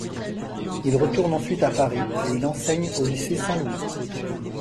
Il retourne ensuite à Paris où il enseigne au lycée Saint-Louis.